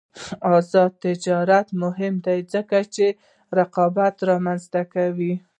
آزاد تجارت مهم دی ځکه چې رقابت رامنځته کوي.